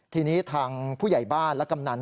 ทีนี้ทางผู้ใหญ่บ้านและกำนัน